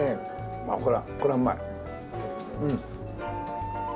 まあこれはこれはうまい。